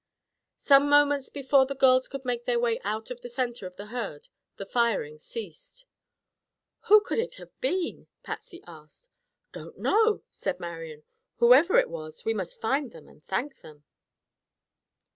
Some moments before the girls could make their way out of the center of the herd the firing ceased. "Who could it have been?" Patsy asked. "Don't know," said Marian. "Whoever it was, we must find them and thank them."